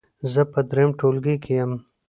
زه په دریم ټولګي کې یم.